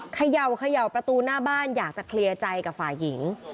เขย่าเขย่าประตูหน้าบ้านอยากจะเคลียร์ใจกับฝ่ายหญิง